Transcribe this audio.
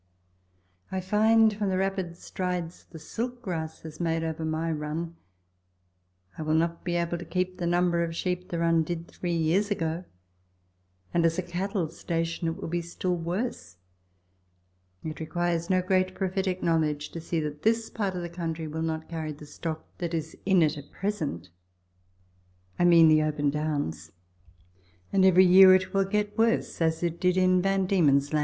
I find from the rapid strides the silk grass has made over my run, I will not be able to keep the number of sheep the run did three years ago, and as a cattle station it Avill be still Avorse ; it requires no great prophetic knowledge to see that this part of the country will not carry the stock that is in it at present I mean the open doAvns, and every year it Avill get worse, as it did in V. D. L.